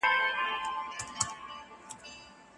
تر پخوا به يې په لوړ اواز خوركى سو